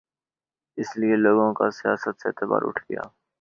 اس لیے لوگوں کا سیاست سے اعتبار اٹھ گیا۔